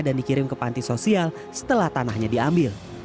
dikirim ke panti sosial setelah tanahnya diambil